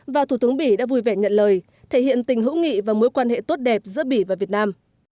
và thủ tướng bỉ đã vui vẻ nhận lời thể hiện tình hữu nghị và mối quan hệ tốt đẹp giữa bỉ và việt nam